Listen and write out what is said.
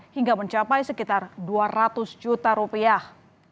hingga mencapai sekitar dua ratus juta rupiah